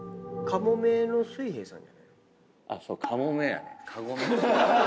『かもめの水兵さん』